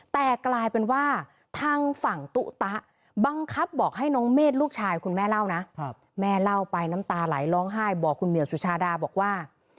แต่กลายเป็นว่าทางฝั่งตุ๊ตะบังคับบอกให้น้องเมฆลูกชายคุณแม่เล่านะแม่เล่าไปน้ำตาไหลร้องไห้บอกคุณเหมียวสุชาดาบอกว่า